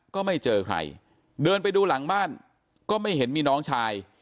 ก็ไม่เจอใครเดินไปดูหลังบ้านก็ไม่เห็นมีน้องชาย